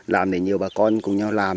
làm để nhiều bà con cùng nhau làm